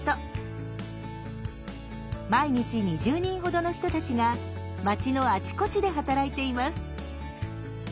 毎日２０人ほどの人たちが町のあちこちで働いています。